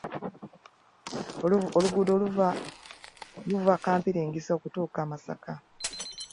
Oluguudo luva Kampiringisa kutuuka Masaka.